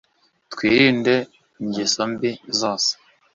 twirinde ingeso mbi zose (